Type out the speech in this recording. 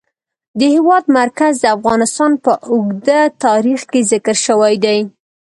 د هېواد مرکز د افغانستان په اوږده تاریخ کې ذکر شوی دی.